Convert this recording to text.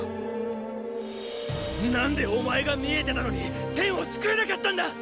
何でお前が見えてたのにテンを救えなかったんだ！！